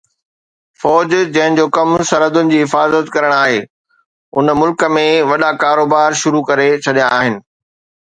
فوج جنهن جو ڪم سرحدن جي حفاظت ڪرڻ آهي ان ملڪ ۾ وڏا ڪاروبار شروع ڪري ڇڏيا آهن